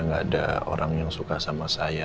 nggak ada orang yang suka sama saya